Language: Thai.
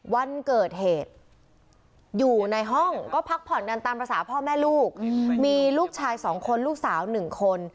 วันเกิดเหตุอยู่ในห้องก็พักผ่อนกันตามภาษาพ่อแม่ลูกมีลูกชาย๒คนลูกสาว๑คน